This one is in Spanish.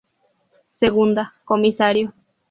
Segunda: Comisario.